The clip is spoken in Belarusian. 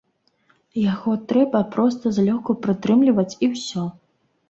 Яго трэба проста злёгку прытрымліваць і ўсё.